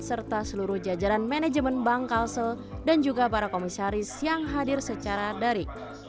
serta seluruh jajaran manajemen bank kalsel dan juga para komisaris yang hadir secara dari